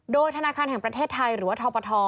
โดยธนาคารแห่งประเทศไทยหรือว่าทปท